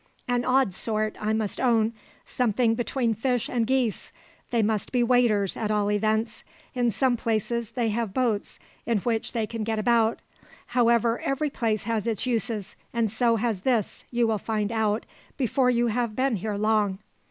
"An odd sort, I must own; something between fish and geese. They must be waders, at all events. In some places they have boats in which they can get about: however, every place has its uses, and so has this, you will find out, before you have been here long!"